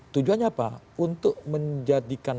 tujuannya apa untuk menjadikan